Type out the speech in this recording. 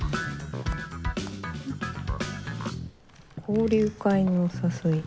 「交流会のお誘い♥」